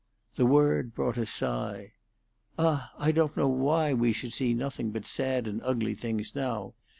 The word brought a sigh. "Ah, I don't know why we should see nothing but sad and ugly things now.